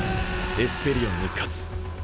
「エスペリオンに勝つ」。